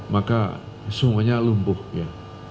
maka semuanya lumpuh ya